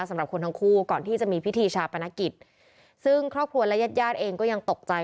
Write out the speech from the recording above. สำหรับคนทั้งคู่ก่อนที่จะมีพิธีชาปนกิจซึ่งครอบครัวและญาติญาติเองก็ยังตกใจ